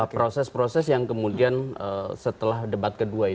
proses proses yang kemudian setelah debat kedua ini